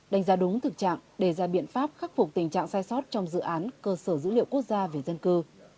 đánh giá đúng thực trạng đề ra biện pháp khắc phục tình trạng sai sót trong dự án cơ sở dữ liệu quốc gia về dân cư